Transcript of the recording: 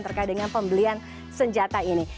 terkait dengan pembelian senjata ini